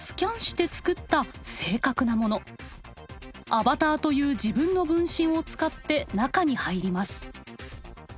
アバターという自分の分身を使って中に入ります。